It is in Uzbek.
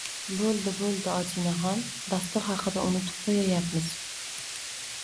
Bo’ldi bo’ldi. Odinaxon dastur haqida unutib qo’yayapmiz.